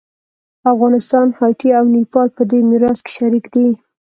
افغانستان، هایټي او نیپال په دې میراث کې شریک دي.